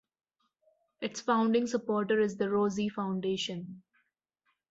Its founding supporter is the Rossy Foundation.